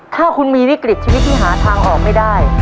ถ้าคุณมีวิกฤตชีวิตที่หาทางออกไม่ได้